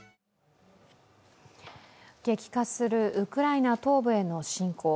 激化するウクライナ東部への侵攻。